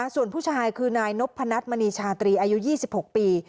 ส่วนผู้ชายคือนายนพนัทมณีชาตรีอายุ๒๖ปี